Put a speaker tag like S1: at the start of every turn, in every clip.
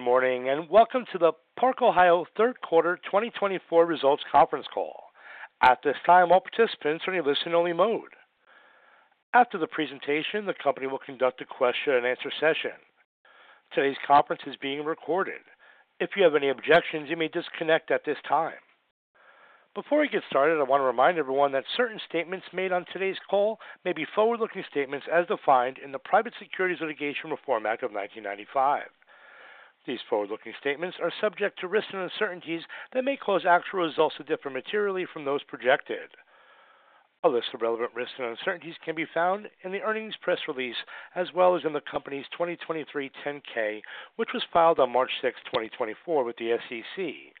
S1: Good morning and welcome to the Park-Ohio third quarter 2024 results conference call. At this time, all participants are in listen-only mode. After the presentation, the company will conduct a question-and-answer session. Today's conference is being recorded. If you have any objections, you may disconnect at this time. Before we get started, I want to remind everyone that certain statements made on today's call may be forward-looking statements as defined in the Private Securities Litigation Reform Act of 1995. These forward-looking statements are subject to risks and uncertainties that may cause actual results to differ materially from those projected. A list of relevant risks and uncertainties can be found in the earnings press release as well as in the company's 2023 10-K, which was filed on March 6, 2024, with the SEC.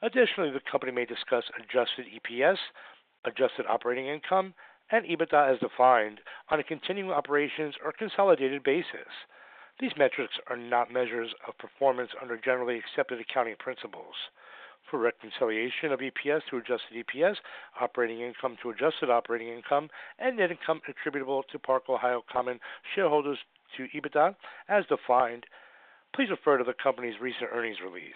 S1: Additionally, the company may discuss adjusted EPS, adjusted operating income, and EBITDA as defined on a continuing operations or consolidated basis. These metrics are not measures of performance under generally accepted accounting principles. For reconciliation of EPS to adjusted EPS, operating income to adjusted operating income, and net income attributable to Park-Ohio Common Shareholders to EBITDA as defined, please refer to the company's recent earnings release.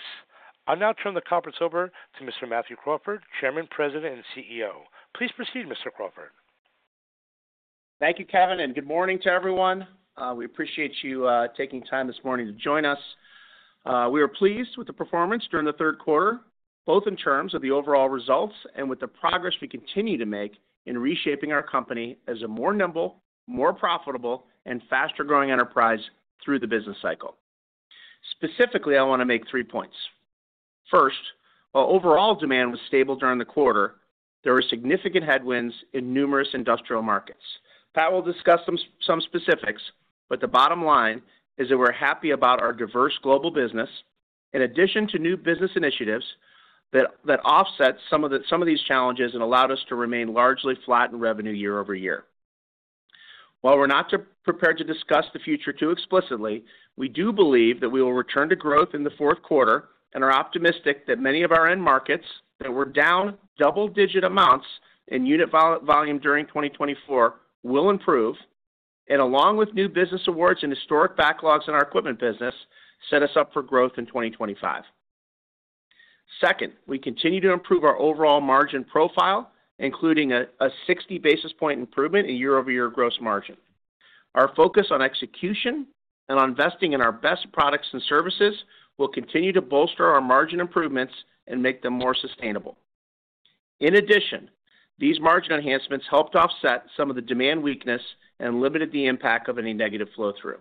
S1: I'll now turn the conference over to Mr. Matthew Crawford, Chairman, President, and CEO. Please proceed, Mr. Crawford.
S2: Thank you, Kevin, and good morning to everyone. We appreciate you taking time this morning to join us. We are pleased with the performance during the third quarter, both in terms of the overall results and with the progress we continue to make in reshaping our company as a more nimble, more profitable, and faster-growing enterprise through the business cycle. Specifically, I want to make three points. First, while overall demand was stable during the quarter, there were significant headwinds in numerous industrial markets. Pat will discuss some specifics, but the bottom line is that we're happy about our diverse global business, in addition to new business initiatives that offset some of these challenges and allowed us to remain largely flat in revenue year over year. While we're not prepared to discuss the future too explicitly, we do believe that we will return to growth in the fourth quarter and are optimistic that many of our end markets that were down double-digit amounts in unit volume during 2024 will improve, and along with new business awards and historic backlogs in our equipment business, set us up for growth in 2025. Second, we continue to improve our overall margin profile, including a 60 basis point improvement in year-over-year gross margin. Our focus on execution and on investing in our best products and services will continue to bolster our margin improvements and make them more sustainable. In addition, these margin enhancements helped offset some of the demand weakness and limited the impact of any negative flow-through.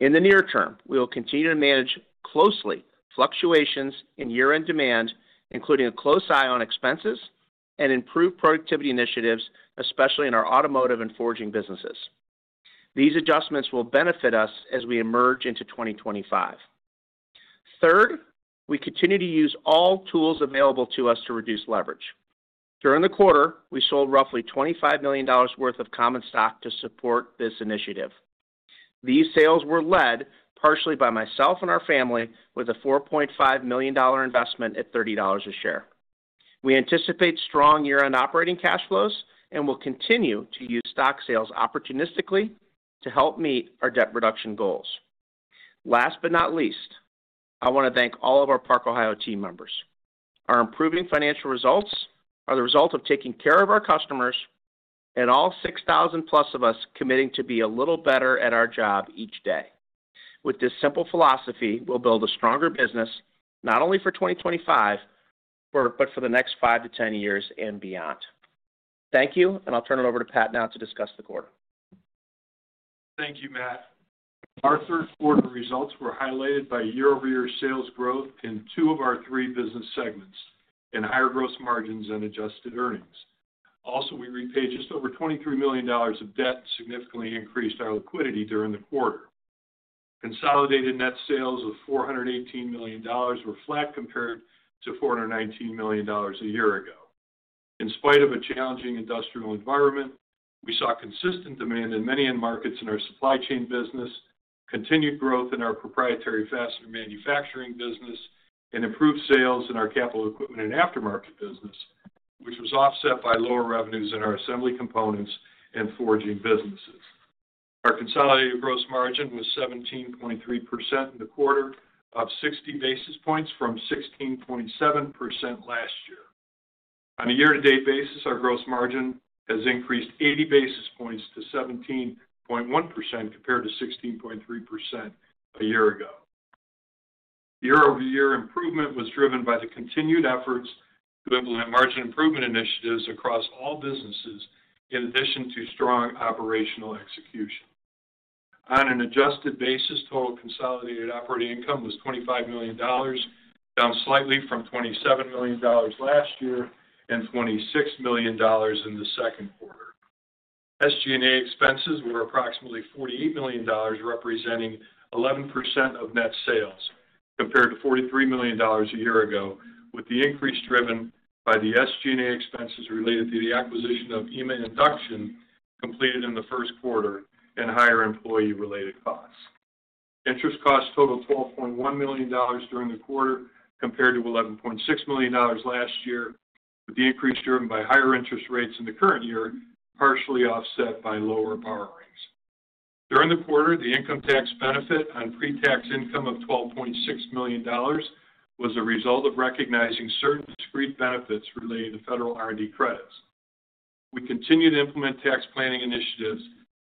S2: In the near term, we will continue to manage closely fluctuations in year-end demand, including a close eye on expenses and improved productivity initiatives, especially in our automotive and forging businesses. These adjustments will benefit us as we emerge into 2025. Third, we continue to use all tools available to us to reduce leverage. During the quarter, we sold roughly $25 million worth of common stock to support this initiative. These sales were led partially by myself and our family with a $4.5 million investment at $30 a share. We anticipate strong year-end operating cash flows and will continue to use stock sales opportunistically to help meet our debt reduction goals. Last but not least, I want to thank all of our Park-Ohio team members. Our improving financial results are the result of taking care of our customers and all 6,000-plus of us committing to be a little better at our job each day. With this simple philosophy, we'll build a stronger business not only for 2025 but for the next five to 10 years and beyond. Thank you, and I'll turn it over to Pat now to discuss the quarter.
S3: Thank you, Matt. Our third quarter results were highlighted by year-over-year sales growth in two of our three business segments and higher gross margins and adjusted earnings. Also, we repaid just over $23 million of debt and significantly increased our liquidity during the quarter. Consolidated net sales of $418 million were flat compared to $419 million a year ago. In spite of a challenging industrial environment, we saw consistent demand in many end markets in our supply chain business, continued growth in our proprietary fastener manufacturing business, and improved sales in our capital equipment and aftermarket business, which was offset by lower revenues in our assembly components and forging businesses. Our consolidated gross margin was 17.3% in the quarter, up 60 basis points from 16.7% last year. On a year-to-date basis, our gross margin has increased 80 basis points to 17.1% compared to 16.3% a year ago. Year-over-year improvement was driven by the continued efforts to implement margin improvement initiatives across all businesses in addition to strong operational execution. On an adjusted basis, total consolidated operating income was $25 million, down slightly from $27 million last year and $26 million in the second quarter. SG&A expenses were approximately $48 million, representing 11% of net sales, compared to $43 million a year ago, with the increase driven by the SG&A expenses related to the acquisition of EMA induction completed in the first quarter and higher employee-related costs. Interest costs totaled $12.1 million during the quarter compared to $11.6 million last year, with the increase driven by higher interest rates in the current year, partially offset by lower borrowings. During the quarter, the income tax benefit on pre-tax income of $12.6 million was a result of recognizing certain discrete benefits relating to federal R&D credits. We continue to implement tax planning initiatives to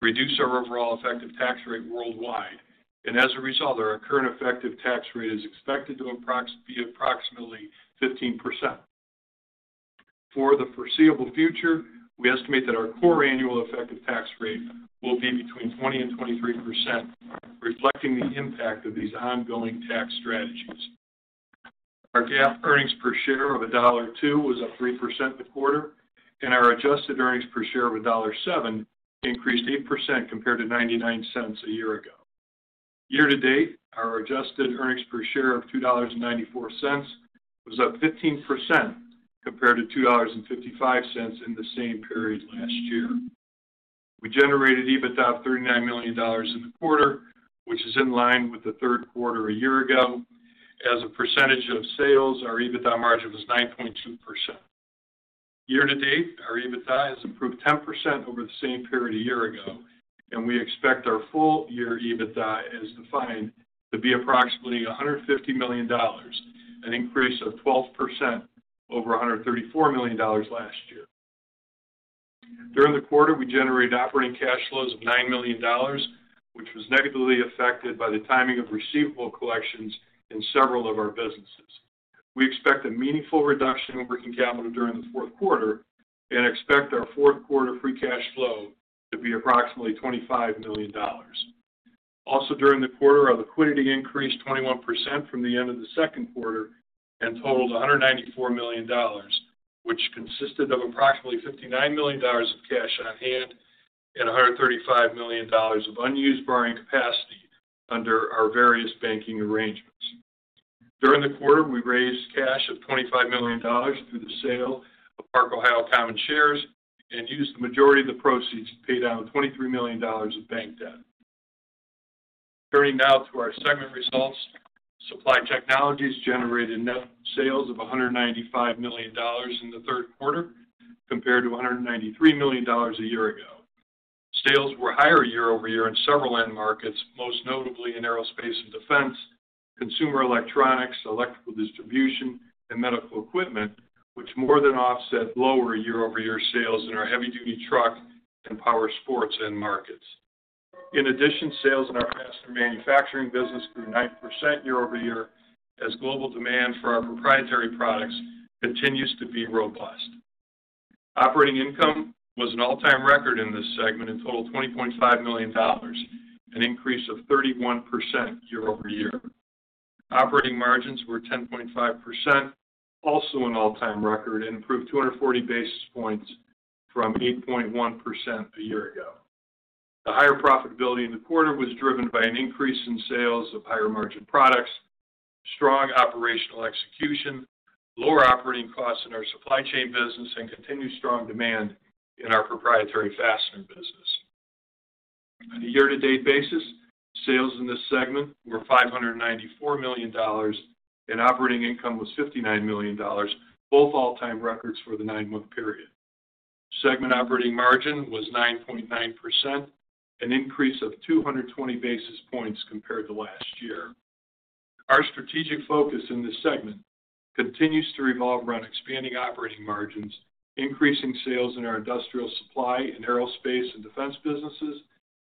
S3: reduce our overall effective tax rate worldwide, and as a result, our current effective tax rate is expected to be approximately 15%. For the foreseeable future, we estimate that our core annual effective tax rate will be between 20 and 23%, reflecting the impact of these ongoing tax strategies. Our GAAP earnings per share of $1.02 was up 3% the quarter, and our adjusted earnings per share of $1.07 increased 8% compared to $0.99 a year ago. Year-to-date, our adjusted earnings per share of $2.94 was up 15% compared to $2.55 in the same period last year. We generated EBITDA of $39 million in the quarter, which is in line with the third quarter a year ago. As a percentage of sales, our EBITDA margin was 9.2%. Year-to-date, our EBITDA has improved 10% over the same period a year ago, and we expect our full-year EBITDA, as defined, to be approximately $150 million, an increase of 12% over $134 million last year. During the quarter, we generated operating cash flows of $9 million, which was negatively affected by the timing of receivable collections in several of our businesses. We expect a meaningful reduction in working capital during the fourth quarter and expect our fourth quarter free cash flow to be approximately $25 million. Also, during the quarter, our liquidity increased 21% from the end of the second quarter and totaled $194 million, which consisted of approximately $59 million of cash on hand and $135 million of unused borrowing capacity under our various banking arrangements. During the quarter, we raised cash of $25 million through the sale of Park-Ohio Common Shares and used the majority of the proceeds to pay down $23 million of bank debt. Turning now to our segment results, Supply Technologies generated net sales of $195 million in the third quarter compared to $193 million a year ago. Sales were higher year-over-year in several end markets, most notably in aerospace and defense, consumer electronics, electrical distribution, and medical equipment, which more than offset lower year-over-year sales in our heavy-duty truck and power sports end markets. In addition, sales in our fastener manufacturing business grew 9% year-over-year as global demand for our proprietary products continues to be robust. Operating income was an all-time record in this segment and totaled $20.5 million, an increase of 31% year-over-year. Operating margins were 10.5%, also an all-time record, and improved 240 basis points from 8.1% a year ago. The higher profitability in the quarter was driven by an increase in sales of higher-margin products, strong operational execution, lower operating costs in our supply chain business, and continued strong demand in our proprietary fastener business. On a year-to-date basis, sales in this segment were $594 million, and operating income was $59 million, both all-time records for the nine-month period. Segment operating margin was 9.9%, an increase of 220 basis points compared to last year. Our strategic focus in this segment continues to revolve around expanding operating margins, increasing sales in our industrial supply and aerospace and defense businesses,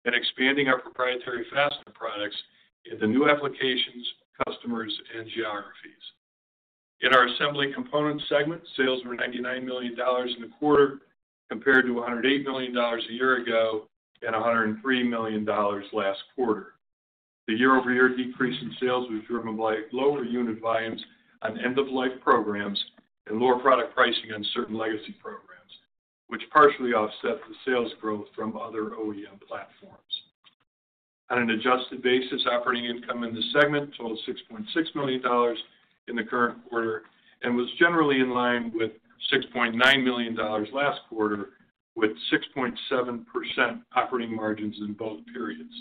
S3: and expanding our proprietary fastener products in the new applications, customers, and geographies. In our assembly components segment, sales were $99 million in the quarter compared to $108 million a year ago and $103 million last quarter. The year-over-year decrease in sales was driven by lower unit volumes on end-of-life programs and lower product pricing on certain legacy programs, which partially offset the sales growth from other OEM platforms. On an adjusted basis, operating income in this segment totaled $6.6 million in the current quarter and was generally in line with $6.9 million last quarter, with 6.7% operating margins in both periods.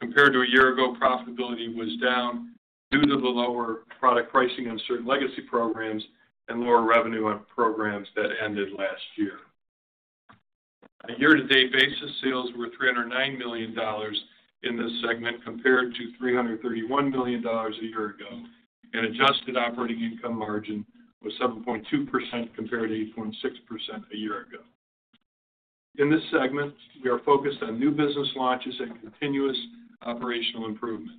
S3: Compared to a year ago, profitability was down due to the lower product pricing on certain legacy programs and lower revenue on programs that ended last year. On a year-to-date basis, sales were $309 million in this segment compared to $331 million a year ago, and adjusted operating income margin was 7.2% compared to 8.6% a year ago. In this segment, we are focused on new business launches and continuous operational improvement.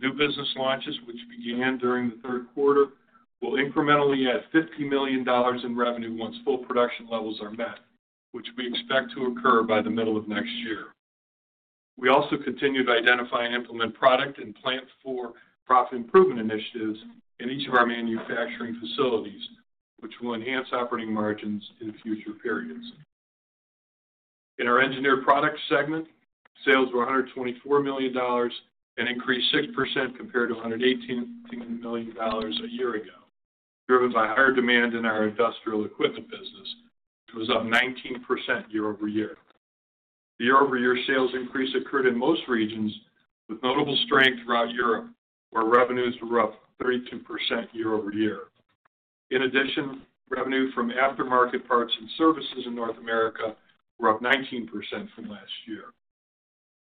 S3: New business launches, which began during the third quarter, will incrementally add $50 million in revenue once full production levels are met, which we expect to occur by the middle of next year. We also continue to identify and implement product and plant-for-profit improvement initiatives in each of our manufacturing facilities, which will enhance operating margins in future periods. In our engineered products segment, sales were $124 million and increased 6% compared to $118 million a year ago, driven by higher demand in our industrial equipment business, which was up 19% year-over-year. The year-over-year sales increase occurred in most regions, with notable strength throughout Europe, where revenues were up 32% year-over-year. In addition, revenue from aftermarket parts and services in North America were up 19% from last year.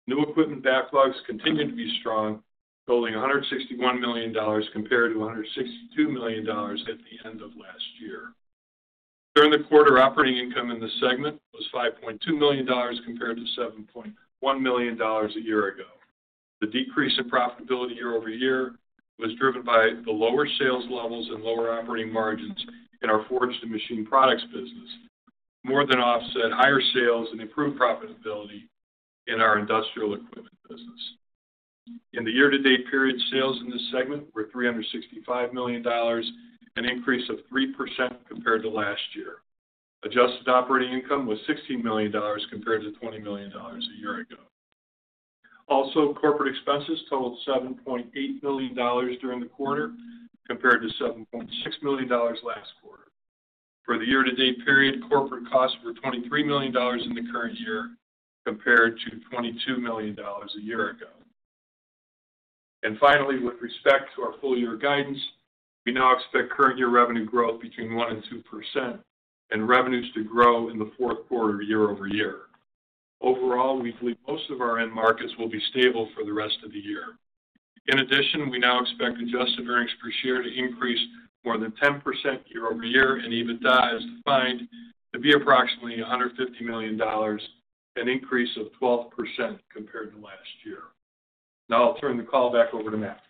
S3: New equipment backlogs continue to be strong, totaling $161 million compared to $162 million at the end of last year. During the quarter, operating income in this segment was $5.2 million compared to $7.1 million a year ago. The decrease in profitability year-over-year was driven by the lower sales levels and lower operating margins in our forged and machine products business, more than offset higher sales and improved profitability in our industrial equipment business. In the year-to-date period, sales in this segment were $365 million, an increase of 3% compared to last year. Adjusted operating income was $16 million compared to $20 million a year ago. Also, corporate expenses totaled $7.8 million during the quarter compared to $7.6 million last quarter. For the year-to-date period, corporate costs were $23 million in the current year compared to $22 million a year ago. Finally, with respect to our full-year guidance, we now expect current-year revenue growth between 1 and 2% and revenues to grow in the fourth quarter year-over-year. Overall, we believe most of our end markets will be stable for the rest of the year. In addition, we now expect adjusted earnings per share to increase more than 10% year-over-year and EBITDA as defined to be approximately $150 million, an increase of 12% compared to last year. Now I'll turn the call back over to Matt.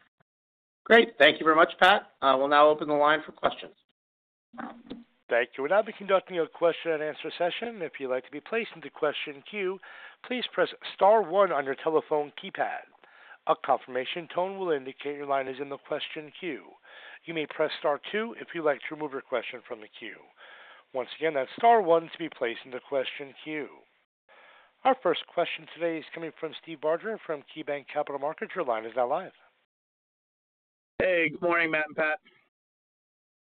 S2: Great. Thank you very much, Pat. We'll now open the line for questions.
S1: Thank you. We'll now be conducting a question-and-answer session. If you'd like to be placed into question queue, please press Star 1 on your telephone keypad. A confirmation tone will indicate your line is in the question queue. You may press Star 2 if you'd like to remove your question from the queue. Once again, that's Star 1 to be placed into question queue. Our first question today is coming from Steve Barger from KeyBanc Capital Markets. Your line is now live.
S4: Hey. Good morning, Matt and Pat.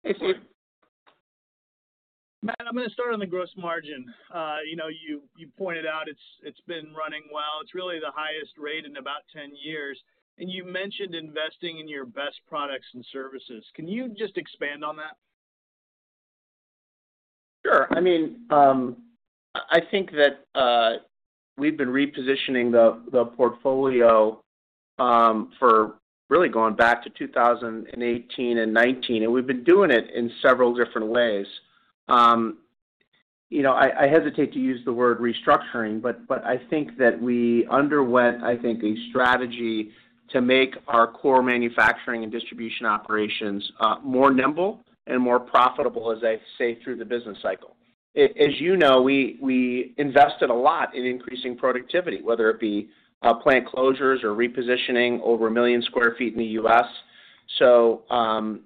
S2: Hey, Steve.
S4: Matt, I'm going to start on the gross margin. You pointed out it's been running well. It's really the highest rate in about 10 years, and you mentioned investing in your best products and services. Can you just expand on that?
S2: Sure. I mean, I think that we've been repositioning the portfolio for really going back to 2018 and 2019, and we've been doing it in several different ways. I hesitate to use the word restructuring, but I think that we underwent, I think, a strategy to make our core manufacturing and distribution operations more nimble and more profitable, as I say, through the business cycle. As you know, we invested a lot in increasing productivity, whether it be plant closures or repositioning over a million sq ft in the U.S. So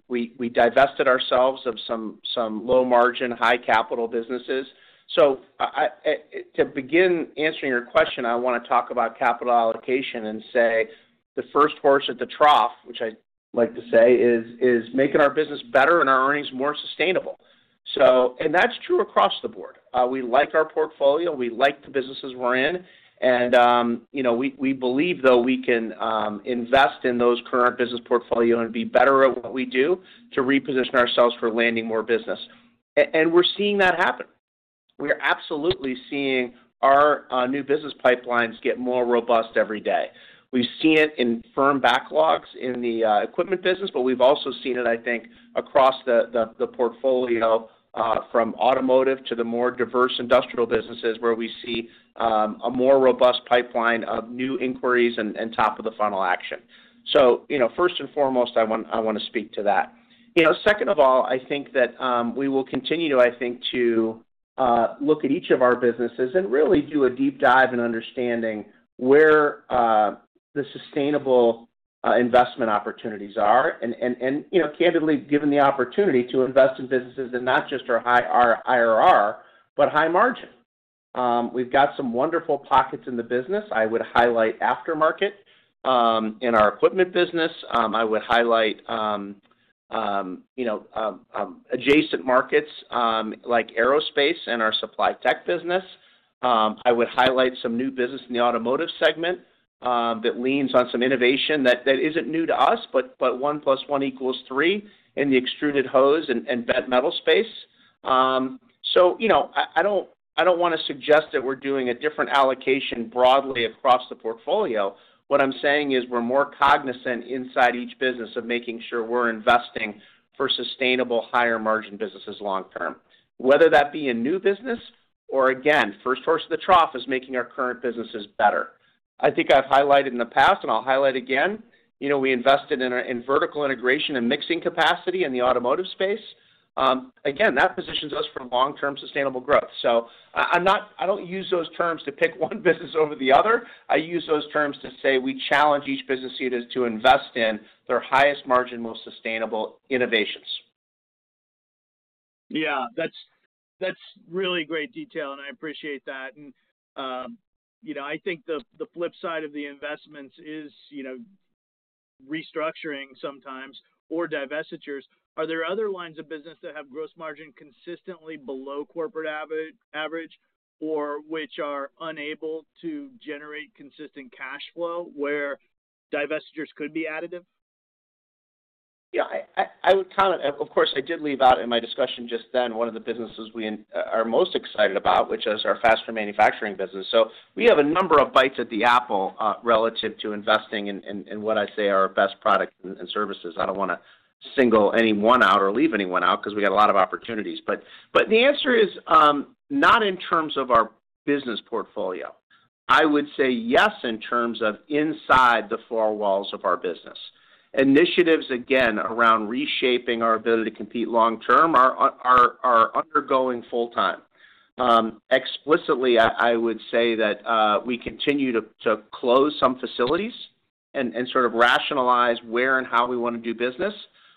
S2: we divested ourselves of some low-margin, high-capital businesses. So to begin answering your question, I want to talk about capital allocation and say the first horse at the trough, which I like to say, is making our business better and our earnings more sustainable. And that's true across the board. We like our portfolio. We like the businesses we're in. And we believe, though, we can invest in those current business portfolio and be better at what we do to reposition ourselves for landing more business. And we're seeing that happen. We're absolutely seeing our new business pipelines get more robust every day. We've seen it in firm backlogs in the equipment business, but we've also seen it, I think, across the portfolio from automotive to the more diverse industrial businesses where we see a more robust pipeline of new inquiries and top-of-the-funnel action. So first and foremost, I want to speak to that. Second of all, I think that we will continue to, I think, look at each of our businesses and really do a deep dive in understanding where the sustainable investment opportunities are. And candidly, given the opportunity to invest in businesses that are not just our IRR, but high margin. We've got some wonderful pockets in the business. I would highlight aftermarket. In our equipment business, I would highlight adjacent markets like aerospace and our supply tech business. I would highlight some new business in the automotive segment that leans on some innovation that isn't new to us, but one plus one equals three in the extruded hose and bent metal space. So I don't want to suggest that we're doing a different allocation broadly across the portfolio. What I'm saying is we're more cognizant inside each business of making sure we're investing for sustainable, higher-margin businesses long-term, whether that be in new business or, again, first horse of the trough is making our current businesses better. I think I've highlighted in the past, and I'll highlight again, we invested in vertical integration and mixing capacity in the automotive space. Again, that positions us for long-term sustainable growth. So I don't use those terms to pick one business over the other. I use those terms to say we challenge each business unit to invest in their highest margin, most sustainable innovations.
S4: Yeah. That's really great detail, and I appreciate that. And I think the flip side of the investments is restructuring sometimes or divestitures. Are there other lines of business that have gross margin consistently below corporate average or which are unable to generate consistent cash flow where divestitures could be additive?
S2: Yeah. I would comment. Of course, I did leave out in my discussion just then one of the businesses we are most excited about, which is our fastener manufacturing business. So we have a number of bites at the apple relative to investing in what I say are our best products and services. I don't want to single anyone out or leave anyone out because we got a lot of opportunities. But the answer is not in terms of our business portfolio. I would say yes in terms of inside the four walls of our business. Initiatives, again, around reshaping our ability to compete long-term are undergoing full-time. Explicitly, I would say that we continue to close some facilities and sort of rationalize where and how we want to do business.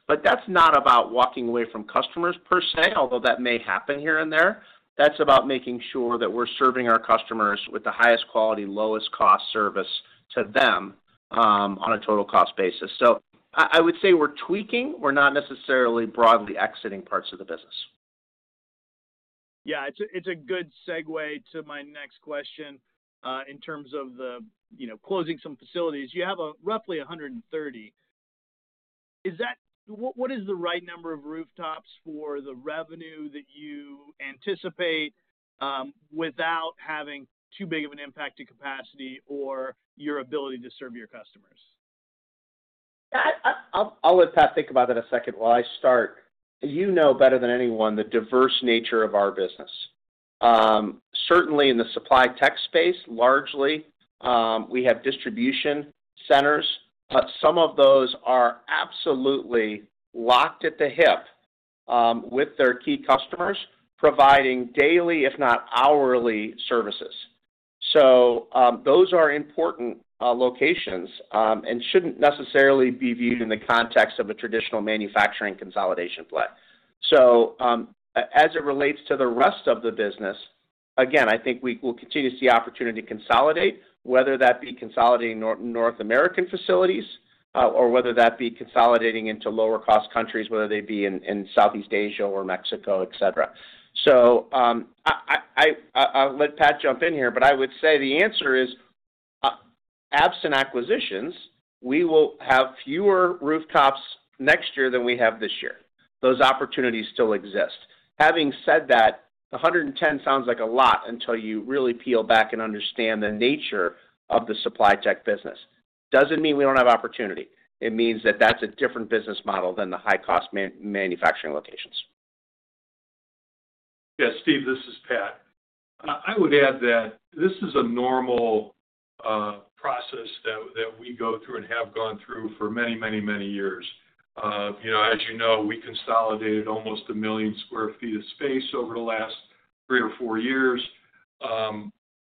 S2: But that's not about walking away from customers per se, although that may happen here and there. That's about making sure that we're serving our customers with the highest quality, lowest cost service to them on a total cost basis. So I would say we're tweaking. We're not necessarily broadly exiting parts of the business.
S4: Yeah. It's a good segue to my next question in terms of closing some facilities. You have roughly 130. What is the right number of rooftops for the revenue that you anticipate without having too big of an impact to capacity or your ability to serve your customers?
S2: Yeah. I'll let Pat think about that a second while I start. You know better than anyone the diverse nature of our business. Certainly, in the supply tech space, largely, we have distribution centers. Some of those are absolutely locked at the hip with their key customers, providing daily, if not hourly, services. So those are important locations and shouldn't necessarily be viewed in the context of a traditional manufacturing consolidation play. So as it relates to the rest of the business, again, I think we'll continue to see opportunity to consolidate, whether that be consolidating North American facilities or whether that be consolidating into lower-cost countries, whether they be in Southeast Asia or Mexico, etc. So I'll let Pat jump in here, but I would say the answer is absent acquisitions, we will have fewer rooftops next year than we have this year. Those opportunities still exist. Having said that, 110 sounds like a lot until you really peel back and understand the nature of the supply tech business. Doesn't mean we don't have opportunity. It means that that's a different business model than the high-cost manufacturing locations.
S3: Yeah. Steve, this is Pat. I would add that this is a normal process that we go through and have gone through for many, many, many years. As you know, we consolidated almost a million sq ft of space over the last three or four years.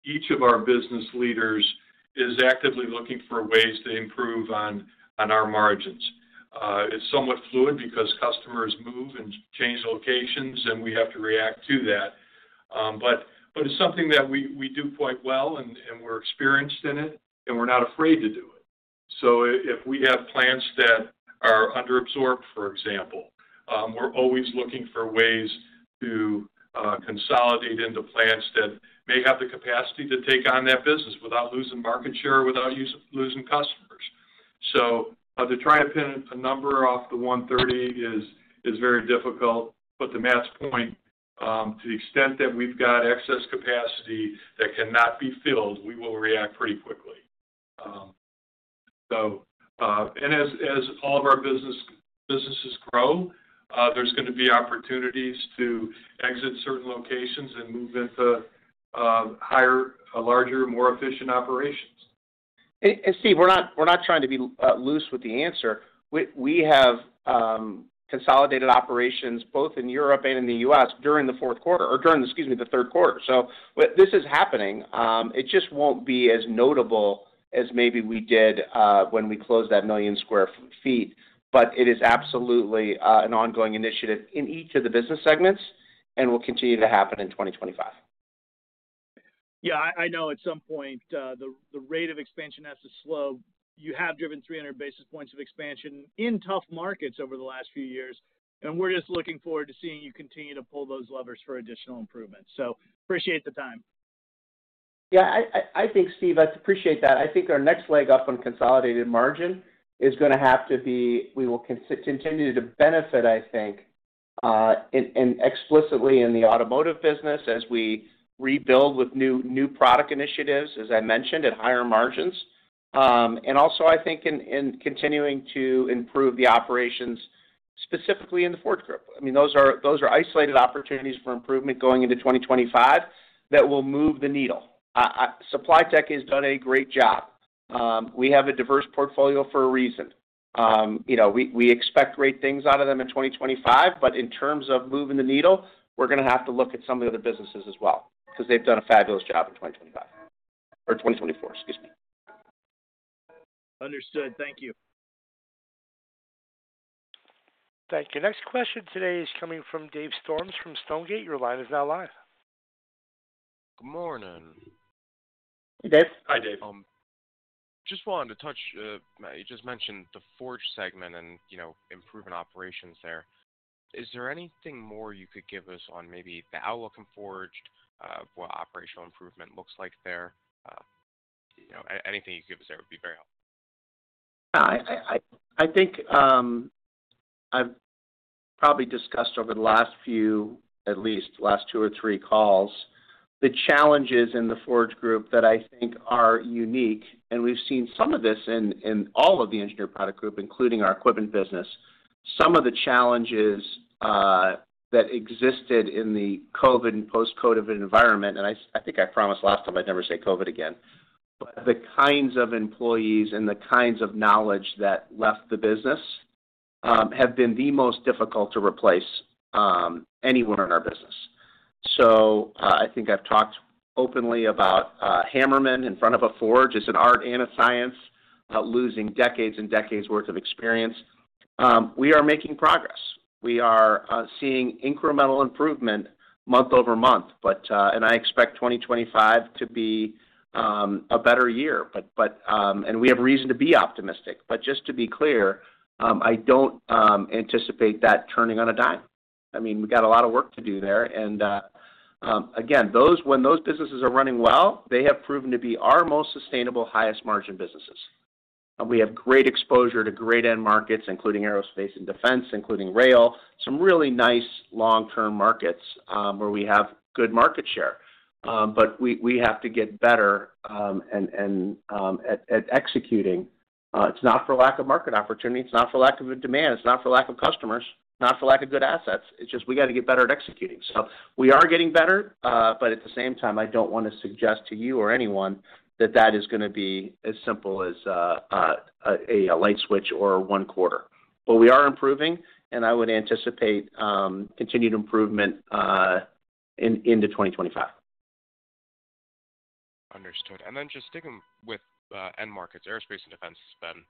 S3: Each of our business leaders is actively looking for ways to improve on our margins. It's somewhat fluid because customers move and change locations, and we have to react to that. But it's something that we do quite well, and we're experienced in it, and we're not afraid to do it. So if we have plants that are under-absorbed, for example, we're always looking for ways to consolidate into plants that may have the capacity to take on that business without losing market share or without losing customers. So to try and pin a number off the 130 is very difficult. But to Matt's point, to the extent that we've got excess capacity that cannot be filled, we will react pretty quickly. And as all of our businesses grow, there's going to be opportunities to exit certain locations and move into higher, larger, more efficient operations.
S2: And Steve, we're not trying to be loose with the answer. We have consolidated operations both in Europe and in the U.S. during the fourth quarter or during, excuse me, the third quarter. So this is happening. It just won't be as notable as maybe we did when we closed that million sq ft, but it is absolutely an ongoing initiative in each of the business segments and will continue to happen in 2025.
S4: Yeah. I know at some point the rate of expansion has to slow. You have driven 300 basis points of expansion in tough markets over the last few years, and we're just looking forward to seeing you continue to pull those levers for additional improvement. So appreciate the time.
S2: Yeah. I think, Steve, I appreciate that. I think our next leg up on consolidated margin is going to have to be we will continue to benefit, I think, explicitly in the automotive business as we rebuild with new product initiatives, as I mentioned, at higher margins. And also, I think in continuing to improve the operations specifically in the Ford Group. I mean, those are isolated opportunities for improvement going into 2025 that will move the needle. Supply tech has done a great job. We have a diverse portfolio for a reason. We expect great things out of them in 2025, but in terms of moving the needle, we're going to have to look at some of the other businesses as well because they've done a fabulous job in 2025 or 2024, excuse me.
S4: Understood. Thank you.
S1: Thank you. Next question today is coming from Dave Storms from Stonegate. Your line is now live.
S5: Good morning.
S2: Hey, Dave.
S5: Hi, Dave. Just wanted to touch on what you just mentioned, the forged segment and improving operations there. Is there anything more you could give us on maybe the outlook in forged, what operational improvement looks like there? Anything you could give us there would be very helpful.
S2: Yeah. I think I've probably discussed over the last few, at least the last two or three calls, the challenges in the Forge Group that I think are unique. And we've seen some of this in all of the Engineered Products group, including our equipment business. Some of the challenges that existed in the COVID and post-COVID environment, and I think I promised last time I'd never say COVID again, but the kinds of employees and the kinds of knowledge that left the business have been the most difficult to replace anywhere in our business. So I think I've talked openly about hammer man in front of a forge. It's an art and a science, losing decades and decades' worth of experience. We are making progress. We are seeing incremental improvement month over month, and I expect 2025 to be a better year. And we have reason to be optimistic. But just to be clear, I don't anticipate that turning on a dime. I mean, we've got a lot of work to do there. And again, when those businesses are running well, they have proven to be our most sustainable, highest margin businesses. We have great exposure to great end markets, including aerospace and defense, including rail, some really nice long-term markets where we have good market share. But we have to get better at executing. It's not for lack of market opportunity. It's not for lack of demand. It's not for lack of customers. It's not for lack of good assets. It's just we got to get better at executing. So we are getting better, but at the same time, I don't want to suggest to you or anyone that that is going to be as simple as a light switch or one quarter. But we are improving, and I would anticipate continued improvement into 2025.
S5: Understood, and then just sticking with end markets, aerospace and defense has been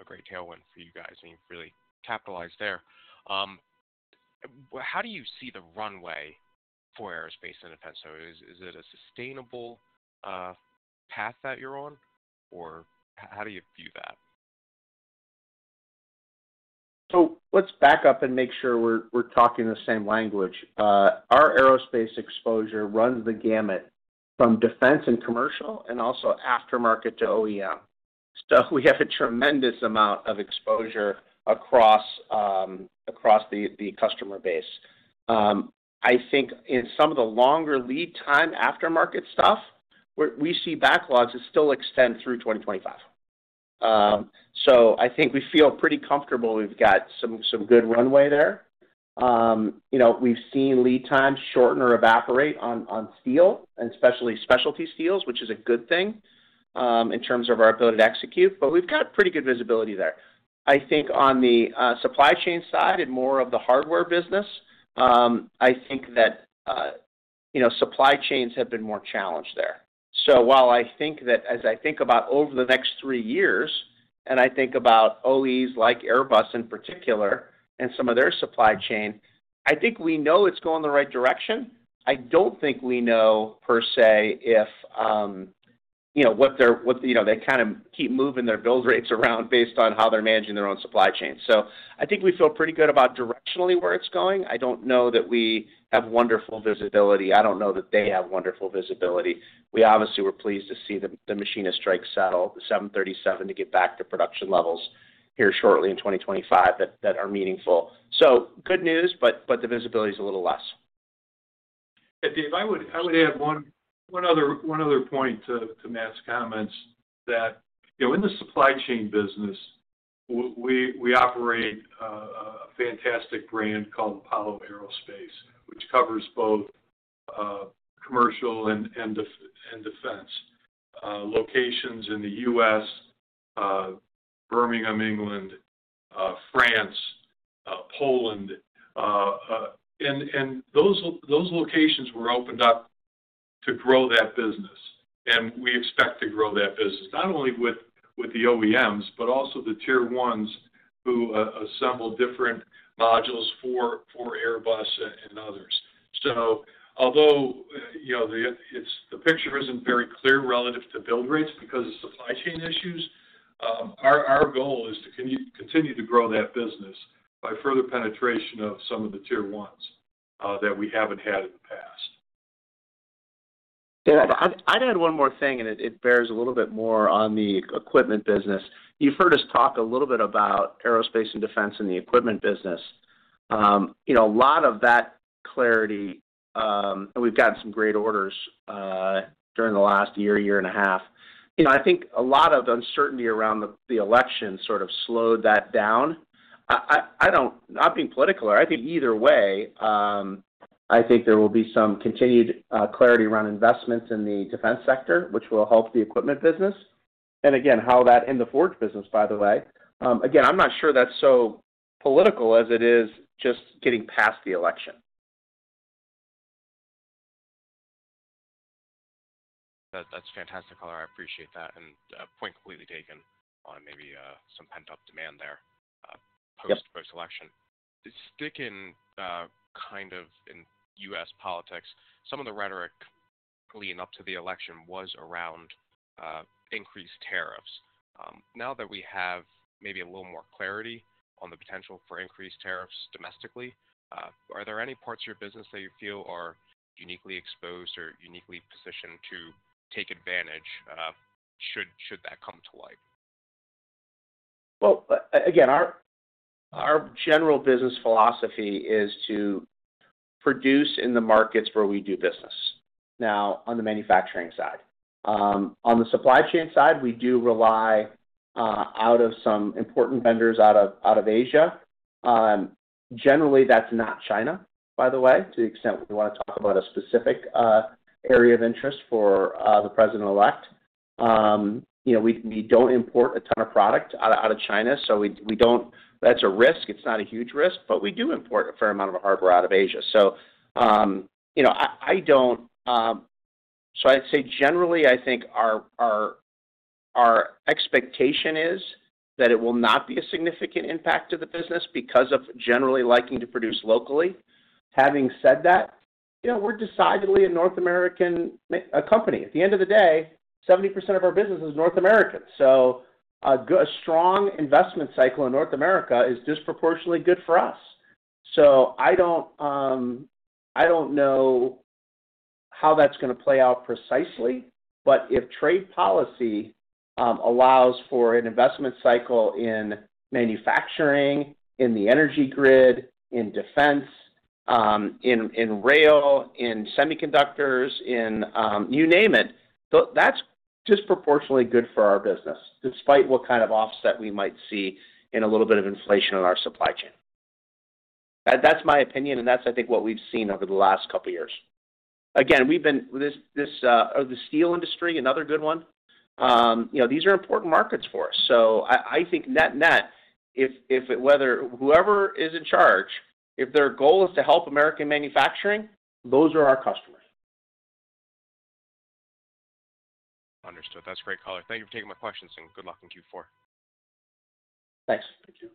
S5: a great tailwind for you guys, and you've really capitalized there. How do you see the runway for aerospace and defense, so is it a sustainable path that you're on, or how do you view that?
S2: So let's back up and make sure we're talking the same language. Our aerospace exposure runs the gamut from defense and commercial and also aftermarket to OEM. So we have a tremendous amount of exposure across the customer base. I think in some of the longer lead time aftermarket stuff, where we see backlogs, it still extends through 2025. So I think we feel pretty comfortable. We've got some good runway there. We've seen lead times shorten or evaporate on steel, and especially specialty steels, which is a good thing in terms of our ability to execute. But we've got pretty good visibility there. I think on the supply chain side and more of the hardware business, I think that supply chains have been more challenged there. So while I think that as I think about over the next three years, and I think about OEMs like Airbus in particular and some of their supply chain, I think we know it's going the right direction. I don't think we know per se if what they're kind of keep moving their build rates around based on how they're managing their own supply chain. So I think we feel pretty good about directionally where it's going. I don't know that we have wonderful visibility. I don't know that they have wonderful visibility. We obviously were pleased to see the machinist strike settle, the 737, to get back to production levels here shortly in 2025 that are meaningful. So good news, but the visibility is a little less.
S3: Dave, I would add one other point to Matt's comments that in the supply chain business, we operate a fantastic brand called Apollo Aerospace, which covers both commercial and defense locations in the U.S., Birmingham, England, France, Poland. Those locations were opened up to grow that business, and we expect to grow that business not only with the OEMs but also the tier ones who assemble different modules for Airbus and others. Although the picture isn't very clear relative to build rates because of supply chain issues, our goal is to continue to grow that business by further penetration of some of the tier ones that we haven't had in the past.
S2: I'd add one more thing, and it bears a little bit more on the equipment business. You've heard us talk a little bit about aerospace and defense and the equipment business. A lot of that clarity, and we've gotten some great orders during the last year, year and a half. I think a lot of uncertainty around the election sort of slowed that down. I'm not being political here. Either way, I think there will be some continued clarity around investments in the defense sector, which will help the equipment business, and again, how that in the forge business, by the way. Again, I'm not sure that's so political as it is just getting past the election.
S5: That's fantastic, Crawford. I appreciate that. And point completely taken on maybe some pent-up demand there post-election. Sticking kind of in U.S. politics, some of the rhetoric leading up to the election was around increased tariffs. Now that we have maybe a little more clarity on the potential for increased tariffs domestically, are there any parts of your business that you feel are uniquely exposed or uniquely positioned to take advantage should that come to light?
S2: Again, our general business philosophy is to produce in the markets where we do business, now on the manufacturing side. On the supply chain side, we do rely on some important vendors out of Asia. Generally, that's not China, by the way, to the extent we want to talk about a specific area of interest for the president-elect. We don't import a ton of product out of China, so that's a risk. It's not a huge risk, but we do import a fair amount of hardware out of Asia. So, I'd say generally, I think our expectation is that it will not be a significant impact to the business because of generally liking to produce locally. Having said that, we're decidedly a North American company. At the end of the day, 70% of our business is North American. So a strong investment cycle in North America is disproportionately good for us. So I don't know how that's going to play out precisely, but if trade policy allows for an investment cycle in manufacturing, in the energy grid, in defense, in rail, in semiconductors, in you name it, that's disproportionately good for our business despite what kind of offset we might see in a little bit of inflation on our supply chain. That's my opinion, and that's, I think, what we've seen over the last couple of years. Again, this steel industry, another good one, these are important markets for us. So I think net-net, whether whoever is in charge, if their goal is to help American manufacturing, those are our customers.
S5: Understood. That's great, Crawford. Thank you for taking my questions, and good luck in Q4.
S2: Thanks.
S3: Thank you.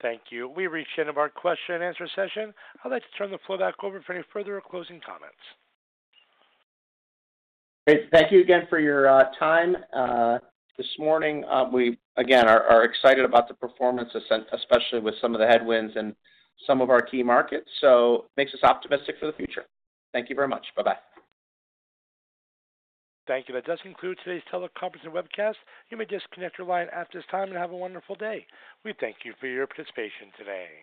S1: Thank you. We reached the end of our question-and-answer session. I'd like to turn the floor back over for any further closing comments.
S2: Great. Thank you again for your time this morning. We, again, are excited about the performance, especially with some of the headwinds in some of our key markets. So it makes us optimistic for the future. Thank you very much. Bye-bye.
S1: Thank you. That does conclude today's teleconference and webcast. You may disconnect your line at this time and have a wonderful day. We thank you for your participation today.